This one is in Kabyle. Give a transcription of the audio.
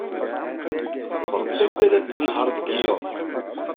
Tettaggad ad tenher deg yiḍ.